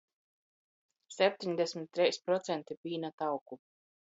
Septeņdesmit treis procenti pīna tauku.